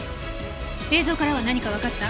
映像からは何かわかった？